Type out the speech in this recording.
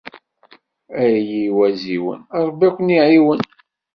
Ay iwaziwen Rebbi ad ken-iɛiwen.